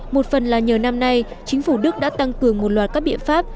một phần là nhờ năm nay chính phủ đức đã tăng cường một loạt các biện pháp